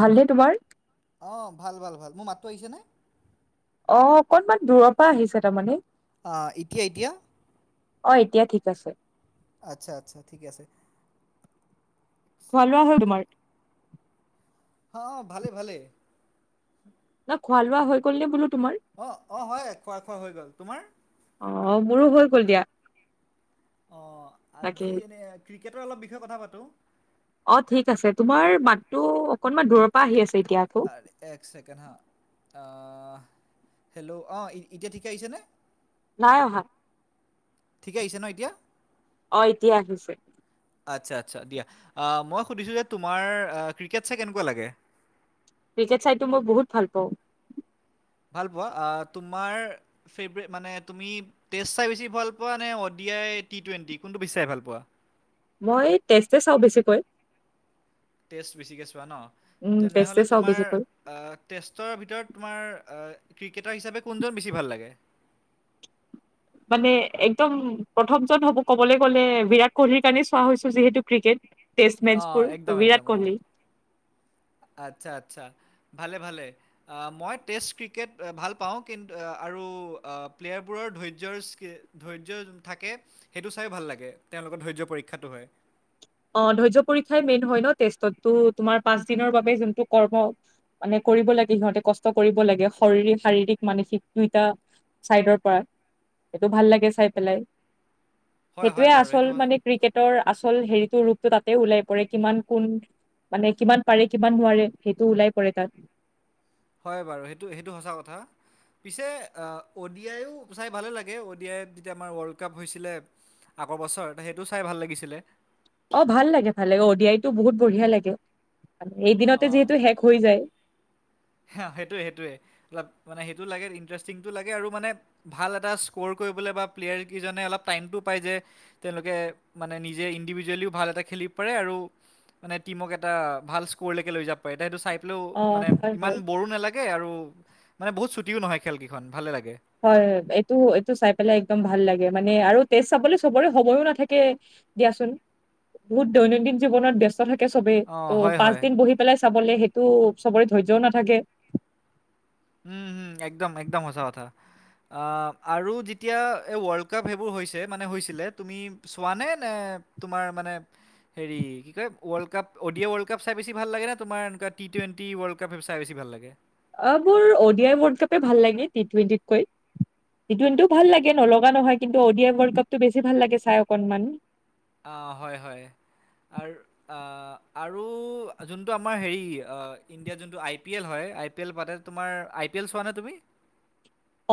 ভালনে তোমাৰ? অ', ভাল ভাল ভাল, মোৰ মাতটো আহিছেনে? অ', অকনমান দূৰৰ পৰা আহিছে তাৰমানে। অ', এতিয়া এতিয়া? অ', এতিয়া ঠিক আছে। আচ্ছা আচ্ছা ঠিকে আছে। খোৱা লোৱা হ'ল তোমাৰ? অ', ভালে ভালে। ন খোৱা লোৱা হৈ গ'ল নে বোলো তোমাৰ? অ', অ', হয় খোৱা খোৱা হৈ গ'ল তোমাৰ। অ', মোৰো হৈ গ'ল। দিয়া অ', বাকী। আজি এনে ক্ৰিকেটৰ বিষয়ে অলপ কথা পাতো। অ', ঠিক আছে, তোমাৰ মাততো অকনমান দূৰৰ পৰা আহি আছে এতিয়া আকৌ। এক চেকেণ্ড হা আহ। হেল্লৌ' অ' এতিয়া ঠিকে আহিছেনে? নাই অহা। ঠিকে আহিছে ন এতিয়া? অ', এতিয়া আহিছে। আচ্ছা আচ্ছা দিয়া, আ মই সুধিছোঁ যে তোমাৰ ক্ৰিকেট চাই কেনেকুৱা লাগে? ক্ৰিকেট চাইটো মই বহুত ভাল পাওঁ। ভাল পোৱা আ তোমাৰ ফেভৰেট মানে তুমি টেষ্ট চাই বেছি ভাল পোৱা নে অডিয়াই টি টুৱেটি কোনটো বেছি চাই ভাল পোৱা? মই টেষ্টে চাওঁ বেছিকৈ। টেষ্ট বেছিকৈ চোৱা ন। উম, টেষ্টে তেনেহ'লে চাওঁ তোমাৰ বেছিকৈ। আ টেষ্টৰ ভিতৰত তোমাৰ আ ক্ৰিকেটাৰ হিচাপে কোনজন বেছি ভাল লাগে? মানে একদম প্ৰথম জন হ'ব ক'বলৈ গ'লে বিৰাট কোহলিৰ কাৰণে চোৱা হৈছো যিহেতু ক্ৰিকেট। টেষ্ট অঁ মেটছবোৰ একদম ত' একদম বিৰাট অঁ। কোহলি। আচ্ছা আচ্ছা ভালে ভালে। আ মই টেষ্ট ক্ৰিকেট ভাল পাওঁ কিন্তু আৰু আ প্লেয়াৰবোৰৰ ধৈৰ্য্য স্কি ধৈৰ্য্য থাকে সেইটো চাইয়ো ভাল লাগে তেওঁলোকৰ ধৈৰ্য্য পৰীক্ষাটো হয়। অ', ধৈয্য পৰীক্ষাই মেইন হয় ন টেষ্টতো তোমাৰ পাঁচ দিনৰ বাবে যোনটো কৰ্ম মানে কৰিব লাগে সিহঁতে কষ্ট কৰিব লাগে শৰৰিক শাৰীৰিক মানসিক দুইটা চাইডৰ পৰা সেইটো ভাল লাগে চাই পেলাই। হয় হয় সেইটোয়ে বাৰু আচল সেইটো স- মানে ক্ৰিকেটৰ আচল হেৰিটোৰ ৰূপটো তাতে ওলাই পৰে। কিমান কোন মানে কিমান পাৰে কিমান নোৱাৰে সেইটো ওলাই পৰে তাত। হয় বাৰু! সেইটো সেইটো সঁচা কথা। পিছে অ'ডি আইয়ো চাই ভালে লাগে অ'ডি আইত যেতিয়া আমাৰ ৱৰ্ল্ড কাপ হৈছিলে। আগৰ বছৰ সেইটো চাই ভাল লাগিছিলে। অ' ভাল লাগে ভাল লাগে অডি আইটো বহুত বঢ়িয়া লাগে অ', এইদিনতে যিহেতু শেষ হৈ যায়। সেইটোৱে সেইটোৱে অলপ মানে সেইটো লাগে ইণ্টাৰেষ্টিংটো লাগে। আৰু মানে ভাল এটা স্কৰ কৰিবলৈ বা প্লেয়াৰ কেইজনে অলপ টাইমতটো পায় যে। তেওঁলোকে মানে নিজে ইণ্ডিভিজুৱেলিও ভাল এটা খেলিব পাৰে আৰু। মানে টিমক এটা ভাল স্ক'ৰলৈকে লৈ যাব পাৰে, এতিয়া সেইটো চাই পেলেও অ মানে হয় ইমান হয় বৰো নালাগে আৰু মানে বহুত ছুটিও নহয় খেল কেইখন ভালে লাগে। হয়, এইটো এইটো চাই পেলাই একদম ভাল লাগে মানে আৰু তেজ চাবলে চবৰে সময়ো নাথাকে। দিয়াচোন বহুত দৈনন্দিন জীৱনত ব্যস্ত থাকে চবেই অ', ত' হয় পাঁচ হয় দিন বহি পেলাই চাবলে সেইটো চবৰে ধৈৰ্যও নাথাকে। উম, হম একদম একদম সঁচা কথা। আ' আৰু যেতিয়া এই ৱৰ্ল্ড কাপ সেইবোৰ হৈছে মানে হৈছিলে তুমি চোৱানে নে তোমাৰ মানে হেৰি কি কয় ৱৰ্ল্ডকাপ অডিয় ৱৰ্ল্ডকাপ চাই বেছি ভাল লাগে নে তোমাৰ এনেকুৱা টি টুৱেন্টি ৱৰ্ল্ড কাপে চাই বেছি ভাল লাগে? অ' মোৰ অডিয়াই ৱৰ্ল্ড কাপে ভাল লাগে টি টুৱেণ্টিত কৈ। [unintelligible] ভাল লাগে নলগা নহয় কিন্তু অডিয় ৱৰ্ল্ড কাপটো বেছি ভাল লাগে চাই অকণমান। অঁ হয় হয়, আৰু আৰু যোনটো আমাৰ হেৰি ইণ্ডিয়াত যোনটো আই পি এল হয় আই পি এল পাতে। তোমাৰ আই পি এল চোৱা নে তুমি?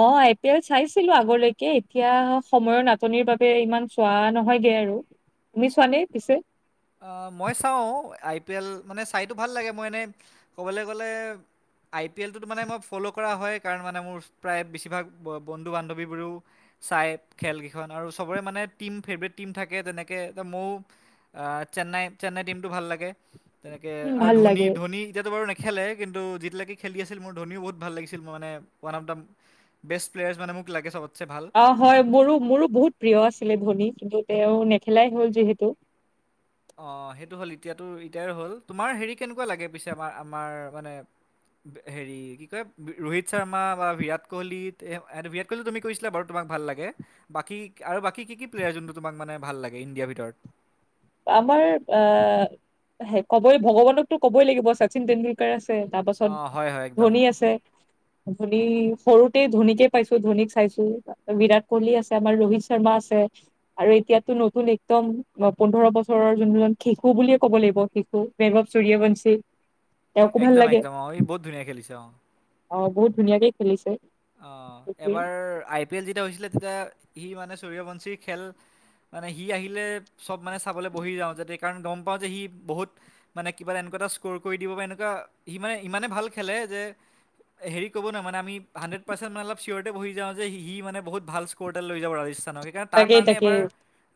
অ' আই পি এল চাইছিলো আগলৈকে এতিয়া সময়ৰ নাটনিৰ বাবে ইমান চোৱা নহয়গে আৰু। তুমি চোৱা নে পিছে? অঁ মই চাও, আই পি এল মানে চাইতো ভাল লাগে মই এনে ক'বলে গ'লে আই পি এল টোত মানে মই ফ'ল' কৰা হয়। কাৰণ মানে মোৰ প্ৰায় বেছিভাগ বন্ধু-বান্ধৱীবোৰেও চাই খেলকেইখন, আৰু চবৰে মানে টীম ফেভৰেট টীম থাকে তেনেকে এ ময়ো আহ চেন্নাই, চেন্নাই টিমটো ভাল লাগে। তেনেকে উম আৰু ভাল ধোনী লাগে ধনী এতিয়াতো বাৰু নে খেলে কিন্তু যেতিয়ালৈকে খেলি আছিল মোৰ ধনীও বহুত ভাল লাগিছিল মানে। One of the best player মানে মোক লাগে চবত অ' হয় মোৰো মোৰো বহুত প্ৰিয় আছিলে ধনী কিন্তু, তেওঁ নেখেলাই হ'ল যিহেতু। অ' সেইটো হ'ল এতিয়াতো ৰিটাই হ'ল তোমাৰ হেৰি কেনেকুৱা লাগে পিছে আমাৰ আমাৰ মানে হেৰি কি কয়, ৰোহিত শৰ্মা বা বিৰাট কোহলি এ বিৰাট তুমি কৈছিলা বাৰু তোমাক ভাল লাগে, বাকী আৰু বাকী কি প্লেয়াৰ যোনটো তোমাক মানে ভাল লাগে ইণ্ডিয়াৰ ভিতৰত? আমাৰ আহ কবই ভগৱানকতো কবই লাগিব শচীন তেণ্ডুল লোকাৰ আছে, তাৰপাছত অঁ হয় হয় একদম ধনী আছে। ধনী সৰুতে ধোনীকে পাইছো ধনীক চাইছো। বিৰাট কোহলি আছে আমাৰ ৰোহিত শৰ্মা আছে, আৰু এতিয়াতো নতুন একদম পোন্ধৰ বছৰৰ যোনজন শিশু বুলিয়েই ক'ব লাগিব শিশু বৈভৱ সুৰীয়াবঞ্চি। একদম একদম অ' ই বহুত ধুনীয়া খেলিছে অ। অ' বহুত ধুনীয়াকে খেলিছে। অ' এবাৰ আই পি এল যেতিয়া হৈছিলে, তেতিয়া সি মানে চুৰীয়াবঞ্চি খেল মানে সি আহিলে চব মানে চাবলৈ বহি যাওঁ যাতে কাৰণ গম পাওঁ যে সি বহুত মানে কিবা এনেকুৱা এটা স্কৰ কৰি দিব বা, এনেকুৱা সি মানে ইমানে ভাল খেলে যে, হেৰি কৰিব না মানে আমি হাড্ৰেট পাৰ্চেট মান অলপ চিয়'তে বহি যাওঁ যে, সি মানে বহুত ভাল স্কৰ এটাত লৈ যাব ৰাজিছ খানক সেইকাৰণে তাৰ তাকেই কাৰণে তাকেই এবাৰ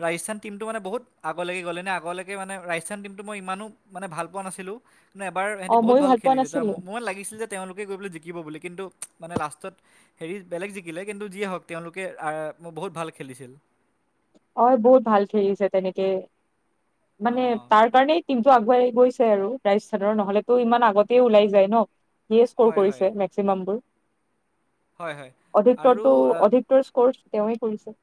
ৰাজস্থান টীমটো মানে বহুত আগলৈকে গ'লে, এনে আগলৈকে মানে ৰাজস্থান টীমটো মই ইমানো মানে ভাল পোৱা নাছিলোঁ। মানে এবাৰ অ সিহঁতি বহুত ময়ো ভাল পোৱা খেলিলে তাৰ নাছিলো মই লাগিছিল যে, তেওঁলোকে গৈ পেলাই জিকিব বুলি কিন্তু, মানে লাষ্টত হেৰি বেলেগ জিকিলে, কিন্তু যিয়ে হওঁক তেওঁলোকে বহুত ভাল খেলিছিল। অ বহুত ভাল খেলিছে, তেনেকে মানে অঁ তাৰ কাৰণেই টিমটো আগুৱাই গৈছে আৰু ৰাজস্থানৰ, নহলেতো ইমান আগতেই ওলাই যায় ন। ইয়ে স্ক'ৰ হয় হয় কৰিছে মেক্সিমাম বোৰ। হয় হয় অধিকৰটো আৰু অধিকৰ স্কৰ্চ তেওঁৱেই কৰিছে।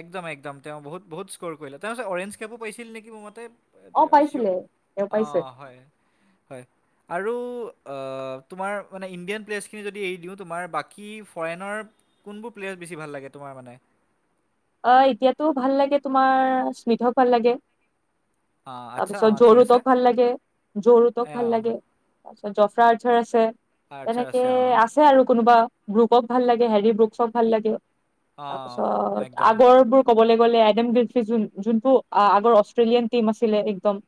একদম একদম, তেওঁ বহুত, বহুত স্ক'ৰ কৰিলে। তেওঁ পিছত অৰেঞ্জ কেপো পাইছিল নেকি মোৰ মতে। অ এতিয়া চিয়' পাইছিলে তেওঁ পাইছে অ' হয় হয়। আৰু তোমাৰ মানে ইণ্ডিয়ান প্লেছখিনি যদি এৰি দিওঁ, তোমাৰ বাকী ফৰেনৰ কোনবোৰ প্লেয়াছ বেছি ভাল লাগে তোমাৰ মানে? অ' এতিয়াতো ভাল লাগে তোমাৰ স্মিতও ভাল লাগে। অঁ আচ্ছা তাৰপিছত অঁ ঠিক আছে জৰোডক ভাল লাগে, জৰোডক এ, ভাল অঁ লাগে। তাৰপিছত জফ্ৰঝাৰ আছে, আৰ্চাৰ তেনেকে আছে অঁ আছ আছে আৰু কোনোবা ব্ৰুকক ভাল লাগে, হেৰি ব্ৰুকচক ভাল লাগে অঁ তাৰপিছত একদম শেষৰ বোৰ কব গলে আইডেম বিল ফিজুল যোনটো আগৰ অষ্ট্ৰেলিয়ান টিম আছিলে, একদম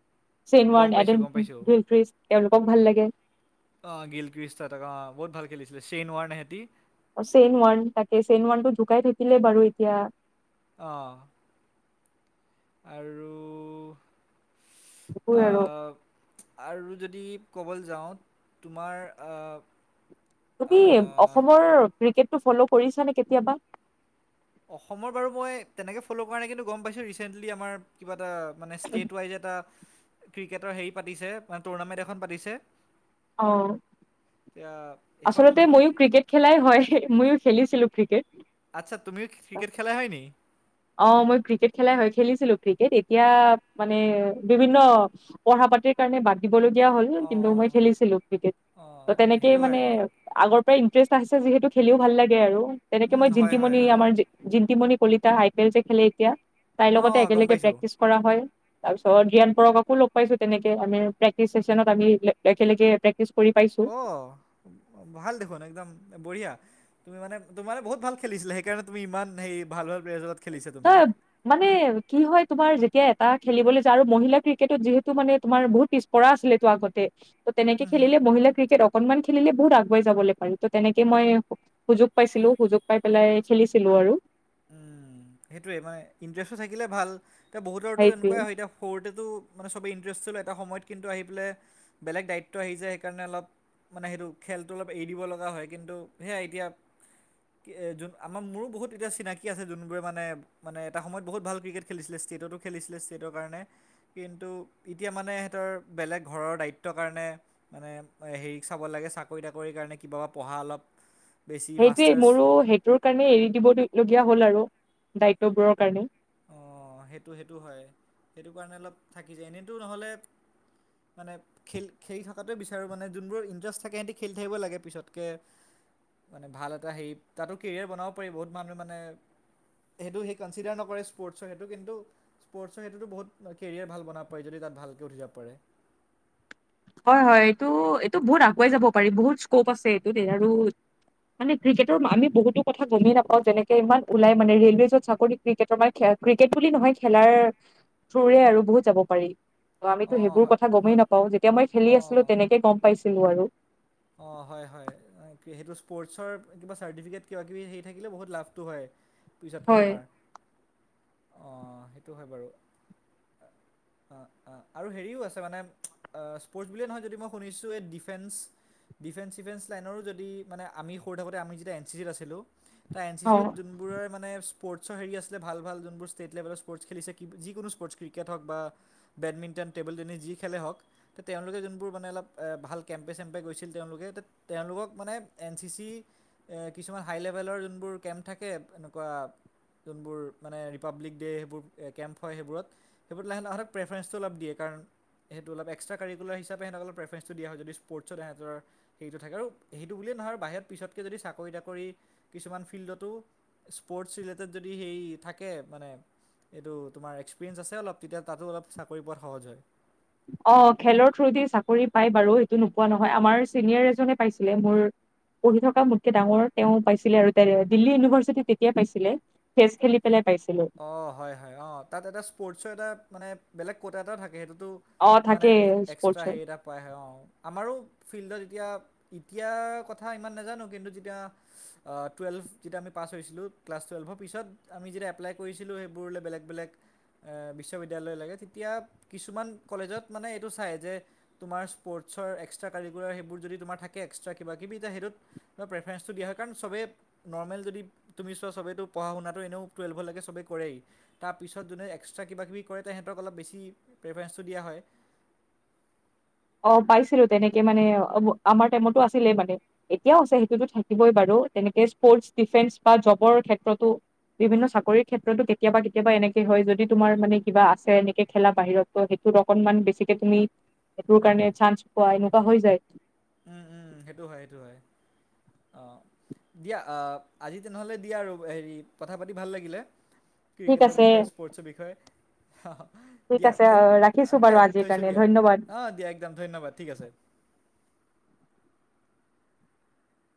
চেইন গম ৱাৰণ এড, পাইছোঁ গম পাইছোঁ গিল ফ্ৰিছ এওঁলোকক ভাল লাগে। অ' গিল ক্ৰষ্ট ত। অ বহুত ভাল খেলিছিলে ছেইন ৱাৰ হেতি চেইন ওৱান তাকে, চেন ওৱান টো ঢুকাই থাকিলে বাৰু এতিয়া। অ'। আৰু, এইবোৰ আৰু আহ আৰু যদি ক'বলৈ যাওঁ তোমাৰ, তুমি আহ, অসমৰ ক্ৰিকেটটো ফলৌ কৰিছানে কেতিয়াবা? অসমৰ বাৰু মই তেনেকে ফলৌ' কৰা নাই, কিন্তু গম পাইছোঁ ৰিচেণ্টলি আমাৰ কিবা এটা মানে ষ্টেট ৱাইজ এটা ক্ৰিকেটৰ হেৰি পাতিছে মানে টুৰ্ণামেণ্ট এখন পাতিছে। অ এইয়া আচলতে মইও ক্ৰিকেট খেলাই হয় ময়ো খেলিছিলো ক্ৰিকেট। আচ্ছা তুমিও ক্ৰিকেট খেলা হয় নি। অ', মই ক্ৰিকেট খেলাই হয় খেলিছিলো ক্ৰিকেট এতিয়া মানে বিভিন্ন পঢ়া পাতিৰ কাৰণে বাদ দিবলগীয়া হল কিন্তু অঁ মই খেলিছিলো ক্ৰিকেট ত অঁ তেনেকেই সেইটো মানে হয় আগৰ পৰাই ইণ্টাৰেষ্ট আহিছে যিহেতু খেলিও ভাল লাগে আৰু তেনেকে উম, মই হয় হয় জিন্তিমনি হয় আমাৰ Jintimoni Kalita I P L যে খেলে এতিয়া তাইৰ অঁ লগতে অঁ, গম একেলগে পাইছোঁ প্ৰেক্টিচ কৰা হয়। তাৰ পিছত জিয়ান পৰক আকো লগ পাইছো তেনেকে আমি প্ৰেক্টিচ চেচনত আমি একেলগে প্ৰেকটিচ কৰি পাইছো। অ', ভাল দেখোন একদম বঢ়িয়া। তুমি মানে তোমাৰে বহু ভাল খিছিলে সেইণে তুমি ইমানেই ভাল প্লেয়াৰ লগত খেলিছা তুমি [unintelligible] মানে কি হয় তোমাৰ যেতিয়া এটা খেলিবলৈ যায় আৰু মহিলা ক্ৰিকেটত যিহেতু মানে তোমাৰ বহুত পিছ পৰা আছিল তো আগতে ত তেনেকে হুম, হুম। খেলিলে মহিলা ক্ৰিকেট অকনমান খেলিলে বহুত আগুৱাই যাবলৈ পাৰি ত তেনেকে মই সুযোগ পাইছিলো সুযোগ পাই পেলাই খেলিছিলো আৰু। উম, সেইটোৱে, মানে ইণ্টাৰেষ্টটো থাকিলে ভাল, এতিয়া বহুতৰতো সেইটোৱে এনেকুৱাই হয়, এতিয়া সৰুতেতো মানে চবেই ইণ্টাৰেষ্ট ল, এটা সময়ত কিন্তু আহি পেলাই বেলেগ দায়িত্ব আহি যায় সেইকাৰণে অলপ মানে সেইটো খেলটো অলপ এৰি দিব লগা হয় কিন্তু সেয়াই এতিয়া কি, যোন আমাৰ মোৰো বহুত এতিয়া চিনাকি কি আছে যোনবোৰে মানে মানে এটা সময়ত বহুত ভাল ক্ৰিকেট খেলিছিলে, ষ্টেটতো খেলছিলে ষ্টেটৰ কাৰনে। কিন্তু এতিয়া মানে সিহঁতৰ বেলেগ ঘৰৰ দায়িত্বৰ কাৰণে মানে হেৰি চাব লাগে চাকৰি তাকৰিৰ কাৰণে, কিবা পঢ়া অলপ বেছি সেইটোৱে মাষ্টাৰ্ছ মোৰো সেইটোৰ কাৰণে এৰি দিবলগীয়া হ'ল আৰু দায়িত্ববোৰৰ কাৰণে। অ', সেইটো সেইটো হয়, সেইটো কাৰণে অলপ থাকি যায়, এনেইতো নহ'লে মানে খেল খেল থকাটোৱ বিচাৰোঁ মানে যোনবোৰ ইণ্টাৰেষ্ট থাকে সিহঁতি খেল থাকিব লাগে পিছতকে মানে ভাল এটা হেৰি, তাতো কেৰিয়াৰ বনাব পাৰি, বহুত মানুহে মানে সেইটো সেই কনচিডাৰ নকৰে স্পৰ্টছৰ সেইটো কিন্তু স্পৰ্টছৰ সেইটোতো বহুত কেৰিয়াৰ ভাল বনাব পাৰি যদি তাত ভালকৈ উঠি যাব পাৰে। হয় হয়, এইটো এইটো বহুত আগুৱাই যাব পাৰি, বহুত স্কপ আছে এইটোত আৰু মানে ক্ৰিকেটৰ আমি বহুতো কথা গমেই নাপাওঁ যেনেক ইমান ওলাই মানে ৰে'লৱে য'ত চাকৰি ক্ৰিকেটৰ মানে খে ক্ৰিকেট বুলি নহয় খেলাৰ থ্ৰোৰে আৰু বহুত যাব পাৰি। ত' আমিতো অঁ সেইবোৰ হয় কথা গমেই হয় নাপাওঁ, যেতিয়া মই খেলি আছিলোঁ তেনেকে গম পাইছিলোঁ আৰু। অ', হয় হয়। সেইটো স্পৰ্টছৰ কিবা চাৰ্টিফিকেট কিবা কিবি হেই থাকিলে বহুত লাভটো হয়। পইছাতকে হয়। তোমাৰ। অ', সেইটো হয় বাৰু। আ, আ, আৰু হেৰিও আছে মানে আ, স্পৰ্টছ বুলিয়ে নহয় যদি মই শুনিছোঁ এই ডিফেন্স ডিফেন্স চিফেন্স লাইনৰো যদি মানে আমি সৰু থাকোঁতে আমি যেতিয়া এন চি চিত আছিলোঁ তাৰ এন চি অ চিত যোন বোৰৰে মানে স্পৰ্টৰ হেৰি আছিলে, ভাল ভাল যোনবোৰ ষ্টেট লেভেলত স্পৰ্টছ খেলিছে, যিকোনো স্পৰ্টছ ক্ৰিকেট হওক বা বেডমিণ্টন, টেবুল টেনিছ যি খেলে হওক ত' তেওঁলোকে যোনবোৰ মানে অলপ ভাল কেম্পে চেম্পে গৈছিল তেওঁলোকে এত, তেওঁলোকক মানে এন চি চি এ, কিছুমান হাই লেভেলৰ যোনবোৰ কেম্প থাকে এনেকুৱা যোনবোৰ মানে ৰিপাব্লিক ডে, সেইবোৰ কেম্প হয় সেইবোৰত সেইটো লাহে, সিহঁতক প্ৰেফাৰেঞ্চটো অলপ দিয়ে কাৰণ সেইটো অলপ এক্সট্ৰা কাৰিকুলাৰ হিাচাপে হেহঁতক প্ৰেফাৰেঞ্চটো দিয়া হয় যদি স্পৰ্টছত হেহঁতৰ সেইটো থাকে আৰু সেইটো বুলিয়েই নহয় বাহিৰত পিছতকে যদি চাকৰি তাকৰি কিছুমান ফিল্ডতো স্পৰ্টছ ৰিলেটেড যদি হেৰি থাকে মানে এইটো তোমাৰ এক্সপিৰিয়েঞ্চ আছে অলপ তেতিয়া তাতো অলপ চাকৰি পোৱাত সহজ হয়। অ', খেলৰ থ্ৰুদি চাকৰি পায় বাৰু, সেইটো নোপোৱা নহয়, আমাৰ চিনিয়ৰ এজনে পাইছিলে মোৰ পঢ়ি থকা মোতকে ডাঙৰ তেওঁ পাইছিলে আৰু দিল্লী ইউনিভাৰ্চিটি তেতিয়াই পাইছিলে। চেছ খেলি পেলাই পাইছিলে। অ' হয় হয়, অ' তাত এটা স্পৰ্টছৰ এটা মানে বেলেগ ক'টা এটাও থাকে সেইটোতো অ মানে থাকে এক্সট্ৰা স্পৰ্টচৰ হেৰি এটা পাই [unintelligible] আমাৰো ফিল্ডত এতিয়া এতিয়াৰ কথা ইমান নাজানো কিন্তু যেতিয়া আ, টুৱেলভ যেতিয়া আমি পাছ হৈছিলোঁ, ক্লাছ টুৱেলভৰ পিছত আমি যেতিয়া এপ্লাই কৰিছিলোঁ সেইবোৰলে বেলেগ বেলেগ এ, বিশ্ববিদ্যালয়লৈকে তেতিয়া কিছুমান কলেজত মানে এইটো চাই যে তোমাৰ স্পৰ্টৰ এক্সট্ৰা কাৰাৰিকুলাৰ সেইবোৰ যদি তোমাৰ থাকে এক্সট্ৰা কিবা কিবি তে সেইটোত তোমাৰ প্ৰেফাৰেঞ্চটো দিয়া হয় কাৰণ চবেই নৰ্মেল যদি তুমি চোৱা চবেইতো পঢ়া শুনাটো এনেও টুৱেলভলৈকে চবেই কৰেই তাৰপিছত যোনে এক্সট্ৰা কিবাকিবি কৰে তেহঁতক অলপ বেছি প্ৰেফাৰেঞ্চটো দিয়া হয়। অ', পাইছিলোঁ তেনেকে মানে অম-আমাৰ টাইমতো আছিলে মানে। এতিয়াও আছে সেইটোতো থাকিবই বাৰু তেনেকে স্পৰ্টচ ডিফেন্স বা জবৰ ক্ষেত্ৰতো বিভিন্ন চাকৰিৰ ক্ষেত্ৰতো কেতিয়াবা কেতিয়াবা এনেকে হয় যদি তোমাৰ মানে কিবা আছে এনেকে খেলা বাহিৰত। ত সেইটোত অকণমান বেছিকে তুমি সেইটোৰ কাৰণে চান্স পোৱা এনেকুৱা হৈ যায়। উম, উম, সেইটো হয়, সেইটো হয় অ'। দিয়া অ', আজি তেনেহ'লে দিয়া আৰু হেৰি কথা পাতি ভাল লাগিলে। ঠিক ক্ৰিকেটৰ আছে বিষয়ে, স্পৰ্টছৰ বিষয়ে। ঠিক দিয়া, আছে ৰাখিছো দিয়া, বাৰু আজিৰ থৈছোঁ কাৰণে দিয়া ধন্যবাদ অ', দিয়া একদম ধন্যবাদ ঠিক আছে।